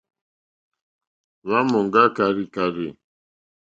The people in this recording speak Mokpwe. Hwá mɔ̀ŋgá kàrzìkàrzì.